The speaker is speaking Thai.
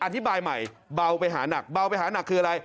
อธิบายใหม่เบาไปหานักเบาไปหานักคืออะไร